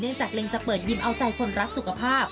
เนื่องจากเรียงจะเปิดยิ๋มอาจารย์คนรักสุขภาพ